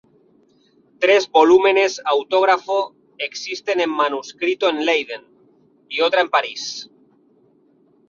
Tres volúmenes autógrafo existen en manuscrito en Leiden, y otra en París.